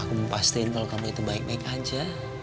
aku mau pastiin kalau kamu itu baik baik aja